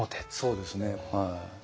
そうですねはい。